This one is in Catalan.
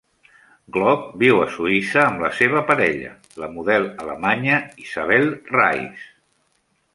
Glock viu a Suïssa amb la seva parella, la model alemanya Isabell Reis.